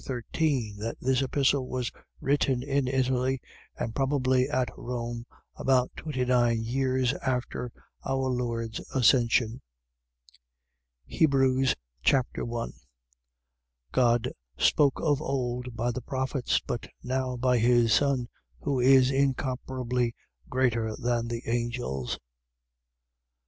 13 that this Epistle was written in Italy, and probably at Rome, about twenty nine years after our Lord's Ascension. Hebrews Chapter 1 God spoke of old by the prophets, but now by his Son, who is incomparably greater than the angels. 1:1.